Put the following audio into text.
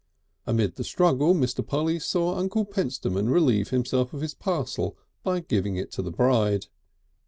Amid the struggle Mr. Polly saw Uncle Pentstemon relieve himself of his parcel by giving it to the bride.